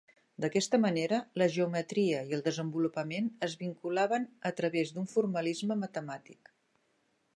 D'aquesta manera, la geometria i el desenvolupament es vinculaven a través d'un formalisme matemàtic.